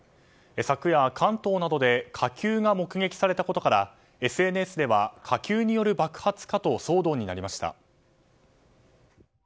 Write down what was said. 昨夜、関東などで火球が目撃されたことからＳＮＳでは火球による爆発かと騒動になりました。